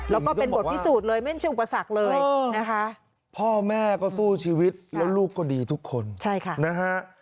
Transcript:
แล้วก็เป็นบทพิสูจน์เลยไม่ใช่อุปสรรคเลยนะคะพ่อแม่ก็สู้ชีวิตแล้วลูกก็ดีทุกคนใช่ค่ะนะฮะ